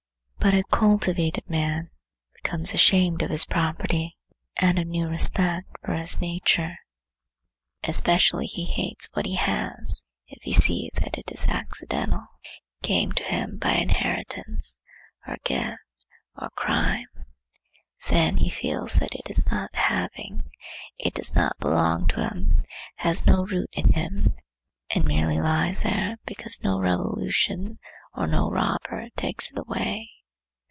But a cultivated man becomes ashamed of his property, out of new respect for his nature. Especially he hates what he has if he see that it is accidental,—came to him by inheritance, or gift, or crime; then he feels that it is not having; it does not belong to him, has no root in him and merely lies there because no revolution or no robber takes it away.